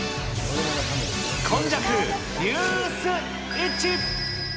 今昔ＮＥＷＳイッチ。